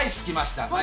きました。